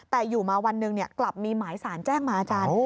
แต่อยู่มาวันหนึ่งกลับมีหมายสารแจ้งมาอาจารย์